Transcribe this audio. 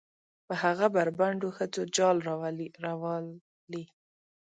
په هغه بربنډو ښځو جال روالي.